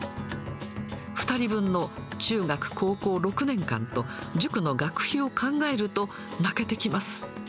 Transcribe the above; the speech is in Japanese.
２人分の中学高校６年間と、塾の学費を考えると、泣けてきます。